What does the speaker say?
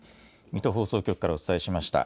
水戸放送局からお伝えしました。